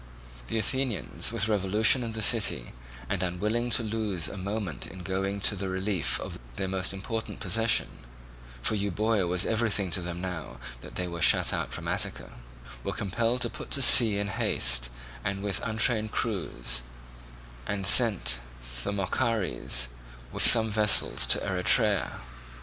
The Athenians, with revolution in the city, and unwilling to lose a moment in going to the relief of their most important possession (for Euboea was everything to them now that they were shut out from Attica), were compelled to put to sea in haste and with untrained crews, and sent Thymochares with some vessels to Eretria.